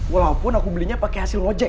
walaupun aku belinya pakai hasil ojek